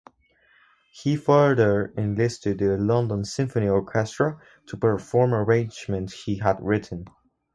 He further enlisted the London Symphony Orchestra to perform arrangements he had written.